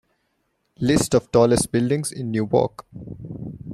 List of tallest buildings in Newark.